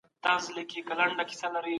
نفساني غوښتنې د انسان دښمنان دي.